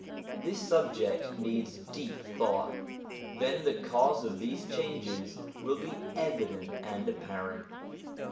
This subject needs deep thought. Then the cause of these changes will be evident and apparent.